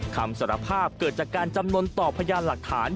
คำสารภาพเกิดจากการจำนวนต่อพยานหลักฐาน